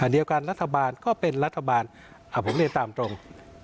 เดียวกันรัฐบาลก็เป็นรัฐบาลผมเรียนตามตรง